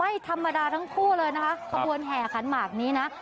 ไม่ธรรมดาทั้งคู่เลยนะคะขบวนแห่ขันหมากนี้นะ